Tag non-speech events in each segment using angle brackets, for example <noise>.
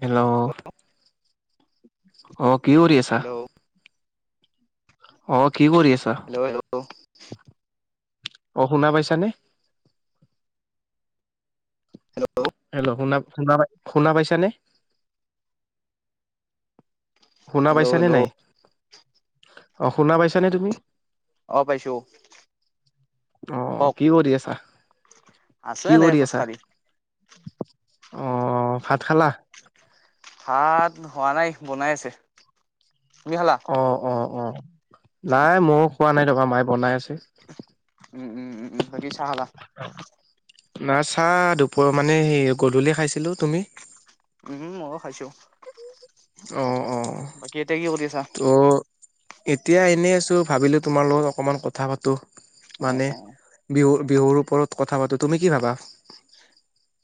Hello. অঁ' কি কৰি আছা? হেল্ল' অঁ' কি কৰি আছা? Hello hello. হেল্ল '। অঁ' শুনা পাইছানে? হেল্ল'। হেল্ল' শুনা' শুনা' শুনা পাইছানে? শুনা হেল্ল' পাইছানে হেল্ল' নাই, অঁ' শুনা পাইছানে তুমি? অ পাইছো। অহ কওক কি কৰি আছা? আছো কি এনে কৰি আছা? খোজকাঢ়ি অহ্' ভাত খালা? ভাত হৱা নাই বনাই আছে। তুমি খালা? অঁ অঁ অ, নাই ময়ো খোৱা নাই তাপা মায়ে বনাই আছে। উম উম উম উম বাকি চাহ খালা? না চাহ দুপৰ মানে সেই গধূলি খাইছিলো- তুমি? উমম ময়ো খাইছো। অঁ অঁ। বাকি এতিয়া কি কৰি আছা? অহ। এতিয়া এনেই আছো ভাবিলো তোমাৰ লগত অকমান কথা পাতো। অ মানে, অ বিহু-বিহুৰ ওপৰত কথা পাতো- তুমি কি ভাবা?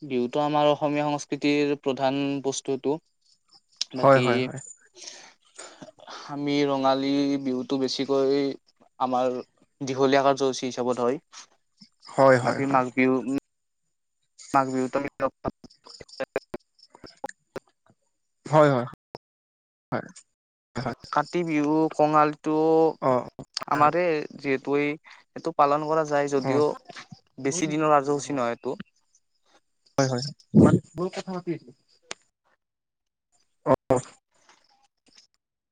বিহুতো আমাৰ অসমীয়া সংস্কৃতিৰ প্ৰধান বস্তু এটো। হয় বাকি, <inaudible> হামি ৰঙালী বিহুটো বেছিকৈ আমাৰ দীঘলীয়া কাৰ্য্যসূচী হিচাপত হয়। হয় হয় বাকী হয় মাঘ বিহুৰ মাঘ বিহুটো আমি-লগ-পাম হয়-হয়, হয়, হয়। কাতি বিহু কঙালীটো- অ আমাৰে যিহেতু এই এইটো পালন কৰা যায় অ যদিও, বেছি দিনৰ আৰ্যসূচী নহয় এইটো। হয় হয়। মানুহ বহুত কথা পাতি আছে। অ-অ।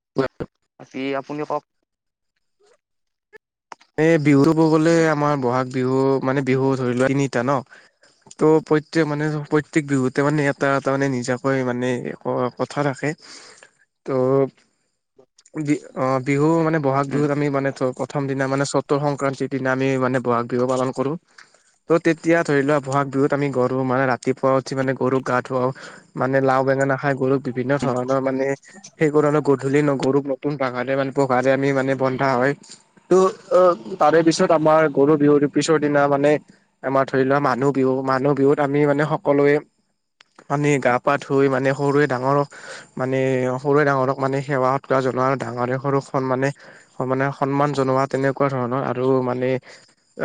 <unintelligible> বাকী আপুনি কওক? এ ধিয়ৰিব গলে আমাৰ বহাগ বিহু মানে বিহু ধৰি লোৱা তিনিটা ন? ত' প্ৰত্যে মানে প্ৰত্যেক বিহুতে মানে এটা এটা মানে নিজাকৈ মানে অ' কথা ৰাখে। ত' ব <inaudible> বি অ বিহু মানে ব'হাগ বিহুত আমি মানে প্ৰথম দিন দিনা মানে চতৰ সংক্ৰান্তিৰ দিনা আমি মানে বহাগ বিহু পালন কৰো। ত' তেতিয়া ধৰি লোৱা বহাগ বিহুত আমি গৰু মানে ৰাতিপুৱা উঠি মানে গৰুক গা ধুৱাও। মানে লাও বেঙেনা খাই গৰুক বিভিন্ন ধৰণৰ মানে সেইকাৰণে গধূলি ন গৰুক নতুন পঘাৰে বান পঘাৰে আমি মানে বন্ধা হয়। ত' অ তাৰে পিছত আমাৰ গৰু বিহুৰ পিছৰ দিনা মানে আমাৰ ধৰি লোৱা মানুহ বিহু, মানুহ বিহুত আমি মানে সকলোৱে পানিয়ে গা-পা ধুই মানে সৰুৱে ডাঙৰক মানে সৰুৱে ডাঙৰক মানে সেৱা সৎকৰা জনোৱা, ডাঙৰে সৰুক সন্মানে মানে সন্মান জনোৱা তেনেকুৱা ধৰণৰ আৰু মানে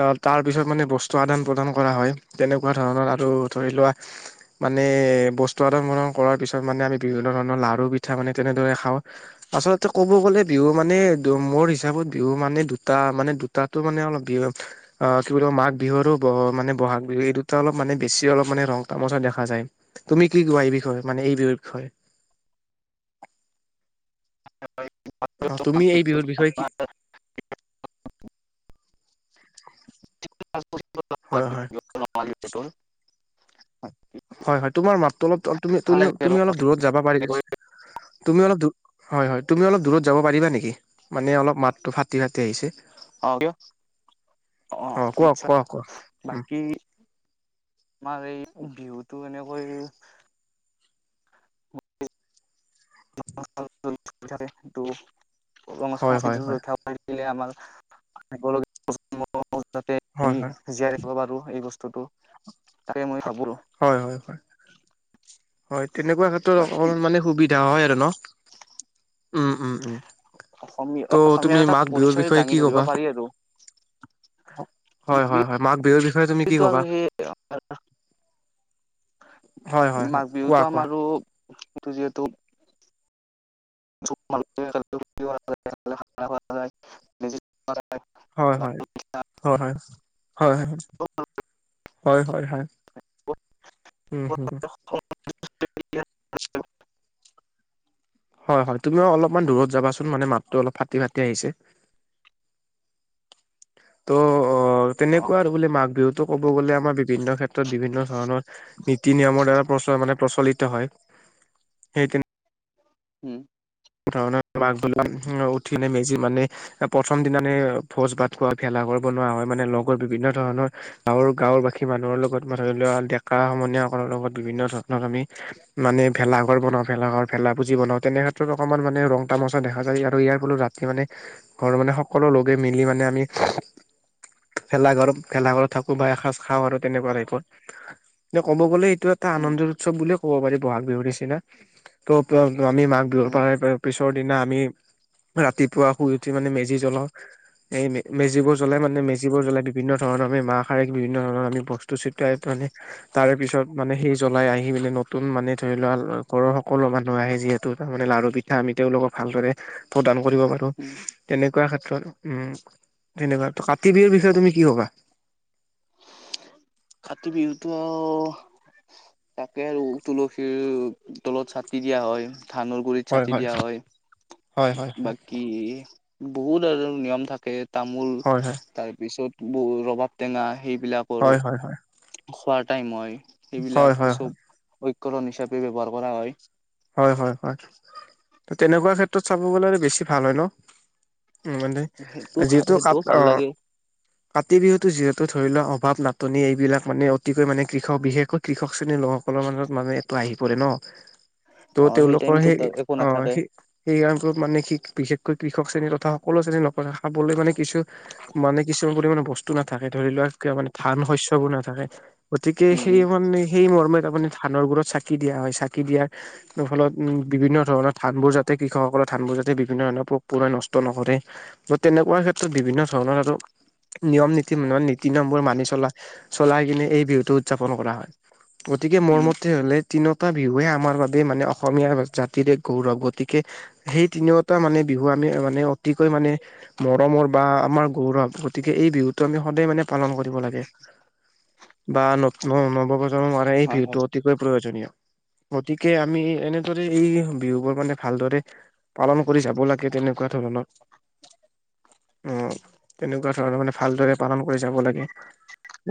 অ' তাৰপিছত মানে বস্তু আদান-প্ৰদান কৰা হয়, তেনেকুৱা ধৰণৰ আৰু ধৰি লোৱা মানে বস্তু আদান-পদাণ কৰাৰ পিছত মানে আমি বিভিন্ন ধৰণৰ লাৰু পিঠা মানে তেনেদৰে খাওঁ। আচলতে ক'ব গ'লে বিহু মানে মোৰ হিচাপত বিহু মানে দুটা মানে দুটাতো মানে অলপ বিহ- অ কি বুল মাঘ বিহু আৰু মানে বহাগ বিহু এই দুটা অলপ মানে বেছি অলপ মানে ৰং-তামাচা দেখা যায়। তুমি কি কোৱা এই বিষয়ে মানে এই বিয়ষয়ে? হ হয়। অ, তুমি এই বিহুৰ বিষয়ে কি- <unintelligible> হয় হয়। <unintelligible> হয় হয়, তোমাৰ মাতটো অলপ তুমি ভাল তুলি লাগে আৰু তুমি অলপ দূৰত যাব পাৰি তুমি অলপ দু- হয় হয় তুমি অলপ দূৰত যাব পাৰিবা নেকি? মানে অলপ মাতটো ফাটি ফাটি আহিছে। <unintelligible> কি আমাৰ অ কোৱা কোৱা কোৱা উম এই বিহুটো এনেকৈ - <unintelligible> থাকে টো হয় হয় সংস্কৃতিতো হয় ৰক্ষা পৰে। <unintelligible> যাতে হয় আমি হয় জীয়াই ৰাখিব পাৰো এই বস্তুটো। তাকে মই ভাবো। হয় হয় হয় হয় তেনেকুৱা ক্ষেত্ৰত বাকী অকমান মানে সুবিধা হয় আৰু ন। উম, উম, উম। অসমীয়া ত' তুমি অসমীয়াৰ এটা মাঘ বিহুৰ পৰিচয় বিষয়ে কি দাঙি ধৰিব ক'বা পাৰি আৰু। হয় হয় হয় মাঘ বিহুৰ - কিন্তু আৰু হেই <unintelligible> হয় হয় হয় মাঘ কোৱা বিহুতো কোৱা আমাৰো এইটো যিহেতু- <unintelligible> হয়, হয়, হয়, হয়, হয়, হয়। হয় হয় হয় উম হু হু হয় হয় তুমিও অলপমান দূৰত যাবাচোন মানে মাতটো অলপ ফাটি ফাটি আহিছে। ত' অ তেনেকুৱা আৰু বোলে মাঘ বিহুত - ত' ক'ব গ'লে আমাৰ বিভিন্ন ক্ষেত্ৰত বিভিন্ন ধৰণৰ - নীতি নিয়মৰ দ্বাৰা প্ৰচ হয় মানে প্ৰচলিত হয় সেই তে- <unintelligible> প্ৰথম দিনানে ভোজ ভাত খোৱা ভেলাঘৰ বনোৱা হয় মানে লগৰ বিভিন্ন ধৰণৰ - গাঁৱৰ গাঁওৰবাসী মানুহৰ লগত ম ধৰি লোৱা ডেকা সমনীয়াসকলৰ লগত বিভিন্ন ধৰণৰ আমি - মানে ভেলাঘৰ বনাও ভেলাঘৰ ভেলা ভুজি বনাও তেনেকে - ত অকণমান মানে ৰং তমচা দেখা যায় আৰু ইয়াৰ ফলত ৰাতি মানে - ঘৰ মানে সকলো লগে মিলি মানে আমি- ভেলাঘৰত ভেলাঘৰত থাকো বা এসাঁজ খাওঁ আৰু তেনেকুৱা টাইপত - এ ক'ব গ'লে এইটো এটা উম, আনন্দ উৎসৱ বুলিয়ে ক'ব পাৰি বহাগ বিহুৰ নিচিনা। ত' আমি মাঘ বিহুৰ উম, প পিছৰ দিনা আমি - ৰাতিপুৱা শুই উঠি মানে মেজি জ্বলাওঁ। এই মেজিবোৰ জ্বলাই মানে মেজিবোৰ জ্বলাই বিভিন্ ধৰণৰ আমি মাহ খাৰিক বিভিন্ন ধৰণৰ আমি বস্ত- তো চিতিয়াই পিনি - তাৰ পিছত মানে সেই জ্বলাই আহি মেলি নতুন মানে ধৰি লোৱা ঘৰৰ সকলো মানুহ আহে যিহেতু তাৰ মানে লাৰু- পিঠা মিঠৈ লগত ভালদৰে প্ৰদান কৰিব পাৰো উম। তেনেকুৱা ক্ষেত্ৰত উম- তেনেকুৱা, ত কাতি বিহুৰ বিষয়ে তুমি কি কবা? কাতি বিহুটো - তাকে আৰু তুলসীৰ তলত চাকি দিয়া হয়, ধানৰ - গুৰিত চাকি দিয়া হয়, হয় হয় হয় বাকী বহুত আৰু নিয়ম থাকে। তামোল হয় তাৰ পিছত বৰু ৰবাব টেঙা সেইবিলাক। হয় হয় হয়। খোৱাৰ টাইম হয়। সেইবিলাক, হয় হয় হয় চব ঐক্ষৰণ হিচাপে ব্যৱহাৰ কৰা হয়। হয়, হয়, হয়! তেনেকুৱা ক্ষেত্ৰত, চাব গ'লে আৰু বেছি ভাল হয় ন'? উম! মানে, সেইটো যিহেতু <unintelligible> সেইটোও ভাল অ'! লাগে, কাতি বিহুতো, যিহেতু ধৰি লোৱা, অভাৱ-নাটনি। এইবিলাক মানে, অতিকৈ মানে, কৃষক বিশেষকৈ কৃষক শ্ৰেণীৰ, লোকসকলৰ মাজত মানে, এইটো আহি পৰে ন'। ত' অ' তেওঁলোকৰ টাইমটোত সেই, একো অ'! নাথাকে, সেই, সেই, কাৰণটোত মানে‌ কি, বিশেষকৈ কৃষক শ্ৰেণী তথা, সকলো শ্ৰেণী মানে, খাবলৈ মানে কিছু, মানে, কিছু পৰিমানে, বস্তু নাথাকে, ধৰি লোৱা। মানে, ধান-শস্যবোৰ নাথাকে। গতিকে, উম, উম, সেই মানে, সেই, মৰ্মে আপুনি, ধানৰবোৰত চাক চাকি দিয়া হয়। চাকি দিয়াৰ ফলত, উম! বিভিন্ন ধৰণৰ, ধানবোৰ যাতে, কৃষকসকলৰ ধানবোৰ যাতে, বিভিন্ন ধৰণৰ পোক-পৰুৱাই নষ্ট নকৰে। ত' তেনেকুৱা ক্ষেত্ৰত, বিভিন্ন ধৰণৰ আৰু নিয়ম-নীতি, নীতি-নিয়মবোৰ মানি চলাই, চলাই নিলে, এই বিহুটো উদযাপন কৰা হয়। গতিকে, মোৰ উম, মতে হ'লে, তিনিওটা বিহুৱে আমাৰ বাবে মানে, অসমীয়া জাতিৰে গৌৰৱ! গতিকে, সেই তিনিওটা মানে, বিহু আমি মানে, অতিকৈ মানে, মৰমৰ বা আমাৰ গৌৰৱ! গতিকে, এই বিহুটো আমি সদায় মানে, পালন কৰিব লাগে। বা ন নৱ-প্ৰজন্মৰ <unintelligible> এই, হয়, হয়, বিহুটো অতিকৈ প্ৰয়োজনীয়। গতিকে, আমি এনেদৰে, এই বিহু বোৰ মানে, ভালদৰে পালন কৰি যাব লাগে, তেনেকুৱা ধৰণৰ। অ'! তেনেকুৱা ধৰণৰ মানে, ভালদৰে পালন কৰি যাব লাগে।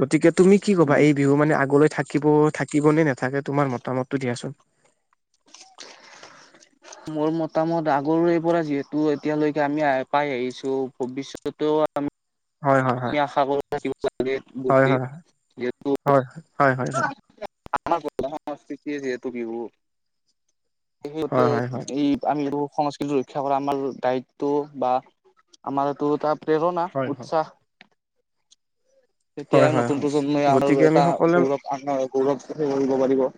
গতিকে, তুমি কি ক'বা? উম। এই বিহু মানে, আগলৈ থাকিব-থাকিবনে নাথাকে, তোমাৰ মতামতটো দিয়াচোন? মোৰ মতামত, আগৰৰে পৰা যিহেতু, এতিয়ালৈকে আমি পাই আহিছোঁ, ভৱিষ্যতেও হয় হয় হয় আমি আশাবোৰ থাকিব লাগে হয় বুলি। যিহেতু, হয়! হয়, হয়, হয়, হয়! আমাৰ প্ৰধান সংস্কৃতিয়ে যিহেতু। <unintelligible> হয় হয় হয় এই, আমি এইটো সংস্কৃতিৰ ৰক্ষা কৰা আমাৰ দায়িত্ব বা আমাৰ এইটো এটা প্ৰেৰণা, হয় হয় উৎসাহ! হয় তেতিয়াহে, হয় নতুন হয় প্ৰজন্মই আৰু গতিকে আমি এটা সকলোৱে গৌৰৱ, গৌৰৱ <unintelligible> কৰিব পাৰিব।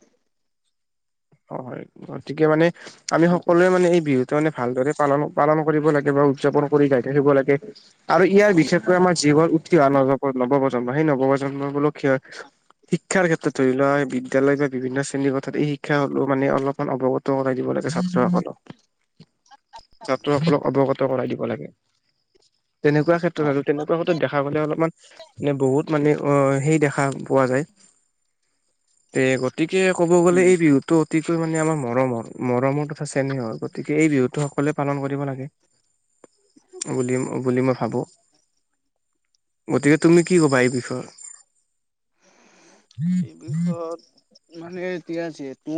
হয়, হয়! গতিকে মানে আমি এনেকুৱা সকলোৱে মানে, এই বিহুত এতিয়া মানে, ভালদৰে পালন, পালন কৰিব লাগে বা উদযাপন কৰি যাই থাকিব লাগে। আৰু ইয়াৰ বিশেষকৈ, আমাৰ জীৱন, উঠি অহা নৱ, নৱ-প্ৰজন্ম, সেই নৱ-প্ৰজন্ম বোলোঁ, <unintelligible> শিক্ষাৰ ক্ষেত্ৰত ধৰি লোৱা, বিদ্যালয় বা বিভিন্ন শ্ৰেণীৰ কথাত, এই শিক্ষা হ'লেও মানে, অলপমান অৱগত কৰাই দিব লাগে, ছাত্ৰসকলক। ছাত্ৰ সকলক অৱগত কৰাই দিব লাগে। তেনেকুৱা ক্ষেত্ৰত অ আৰু তেনেকুৱা ক্ষেত্ৰত দেখা দেখা গ'লে অলপমান, মানে বহুত মানে, অ'! সেই দেখা পোৱা যায়। তে গতিকে, ক'ব গ'লে! উম এই, বিহুটো অতিকৈ মানে, আমাৰ মৰমৰ! মৰমৰতো চেনেহ হ'ল। গতিকে, এই বিহুটো সকলোৱে পালন কৰিব লাগে, বুলি, বুলি মই ভাবোঁ! গতিকে, তুমি কি ক'বা এই বিষয়ে? এই বিষয়ত, মানে, এতিয়া যিহেতু,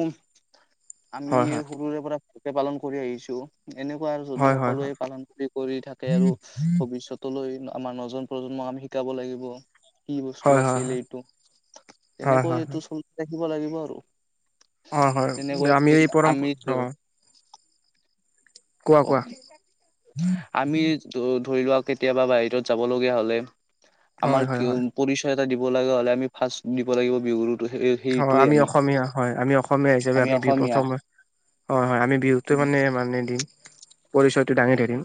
আমি, হয় সৰুৰে পৰা ভালকে পালন কৰি আহিছোঁ। এনেকুৱা আৰু যদি, হয় হয় সকলোৱে হয় পালন কৰি কৰি থাকে আৰু ভৱিষ্যত তলৈ আমাৰ, নজন প্ৰজন্মক আমি শিকাব লাগিব, কি হয় বস্তু হয় হয় আছিল এইটো। হয় তেনেকৈ, হয় এইটো চলাই ৰাখিব লাগিব আৰু। হয় হয় হয় তেনেকৈ আমি এই দিন পৰম্পৰা অ আমিটো। কোৱা কোৱা। আমি ধৰি লোৱা কেতিয়াবা বাহিৰত যাবলগীয়া হ'লে হয় আমাৰ হয় হয় কিওং। পৰিচয় এটা দিব লগা হ'লে আমি ফাৰ্ষ্ট দিব লাগিব বিহুতো সেই। অ আমি অসমীয়া হয় আমি অসমীয়া হিচাপে আমি বিহু প্ৰথমত হয় হয় আমি বিহুতো উম মানে মানে দিম পৰিচয়টো দাঙি থকিম।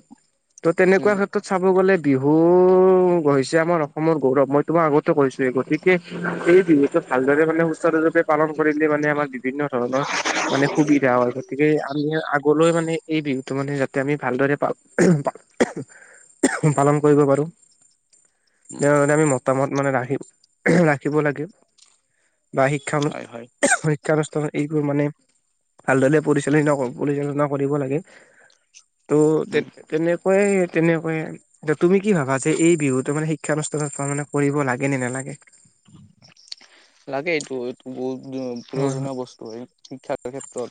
ত' তেনেকুৱা ক্ষেত্ৰত চাব গ'লে বিহু হৈছে আমাৰ অসমৰ গৌৰৱ মই তোমাক আগতে কৈছ। গতিকে এই বিহুতো ভালদৰে মানে। <inaudible> পালন কৰিলে মানে আমাৰ বিভিন্ন ধৰণৰ মানে সুবিধা হয় গতিকে আমি। ইয়াৰ আগলৈ মানে এই বিহুতটো মানে যাতে আমি ভালদৰে পা <inaudible> পালন কৰিব পাৰো। উম ইয়াৰ কাৰণে আমি মতামত মানে ৰাখি ৰাখিব লাগে। বা শিক্ষা হয় হয় <inaudible> শিক্ষানুষ্ঠান এইবোৰ মানে ভালদৰে পৰিচালনা পৰিচালনা কৰিব লাগে। ত' তে উম তেনেকুৱাই তেনেকুৱাই। ত তুমি কি ভাবা যে এই বিহুতটো মানে শিক্ষানুষ্ঠানত মানে কৰিব লাগে নে নালাগে। লাগে এইটো এইটো বহুত হয় প্ৰয়োজনীয় বস। শিক্ষাৰ ক্ষেত্ৰত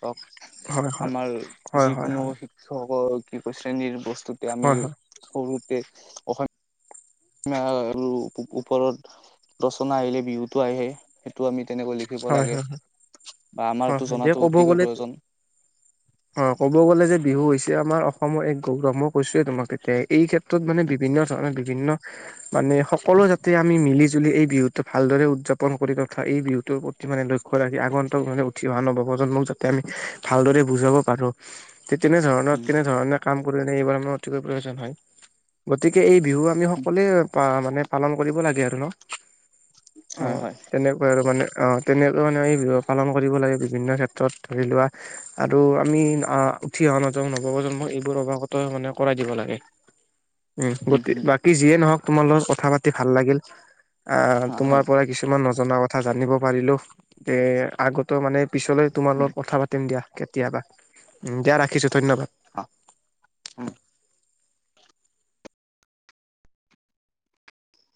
হয় হওক আমাৰ হয় হয় হয় যিকোনো। হয় স কি ক শ্ৰেণীৰ বস্তুতে আমি হয় হয় সৰুতে অস। মিয়া আৰু ওপৰত ৰচনা আহিলে বিহুতটো আহে সেইটো আমি তেনেকৈয় লি। খিব হয় লাগে হয় বা হয় আমাৰতটো হয় দে জোনাটো ক'ব অতিকৈ গ'লে প্ৰয়োজন। অ ক'ব গ'লে যে বিহু হৈছে আমাৰ অসমৰ এক গৌৰৱ ম। কৈছোঁৱে তোমাক এতিয়া এই ক্ষেত্ৰত মানে বিভিন্ন ধৰণৰ বিভিন্ন। মানে সকলো যাতে আমি মিলি জুলি এই বিহুতো ভালদৰে উদযাপন কৰি তথা এই বিহুতৰ প্ৰ। মানে লক্ষ্য ৰাখি আগন্তক মানে উঠি অহা নব প্ৰজন্মক যাতে আমি ভালদৰে বুজাব পাৰো। তে তেনেধৰণৰ উম, তেনেধৰণৰ কাম কৰিনে এইবাৰ অতিকৈ প্ৰয়োজন হয়। গতিকে এই বিহু আমি সকলোৱে পা মানে পালন কৰিব লাগে আৰু ন। অ হয় হয় তেনেকুৱাই আৰু মানে অ। তেনেকৈ মানে বি পালন কৰিব লাগে বিভিন্ন ক্ষেত্ৰত ধৰি লোৱা আৰু আমি অ। উঠি নাজ নৱপ্ৰজন্ম এইবোৰ অৱাগত মানে কৰাই দিব লাগে উম গতি বা। যিয়ে নহওক তোমাৰ লগত কথা পাতি ভাল লাগিল আহ হয় তোমাৰ হয়, পৰা কিছুমান নজনা ক। কথা জানিব পাৰিলো এ আগতে মানে পিছলে তোমাৰ লগত কথা পাতিম দিয়া কেতিয়াবা। দিয়া ৰাখিছোঁ ধন্যবাদ। অ উম।